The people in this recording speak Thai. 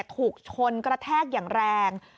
ถูกชนกระแทกอย่างแรง